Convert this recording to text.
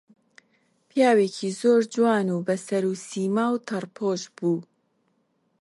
پیاوێکی زۆر جوان و بە سەروسیما و تەڕپۆش بوو